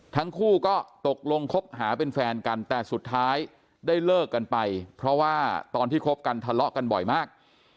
ทั้งคู่ก็ตกลงคบหาเป็นแฟนกันแต่สุดท้ายได้เลิกกันไปเพราะว่าตอนที่คบกันทะเลาะกันบ่อยมาก